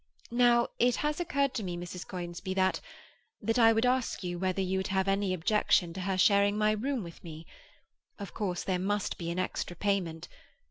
Now it has occurred to me, Mrs. Conisbee, that—that I would ask you whether you would have any objection to her sharing my room with me? Of course there must be an extra payment.